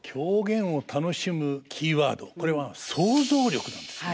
これは想像力なんですね。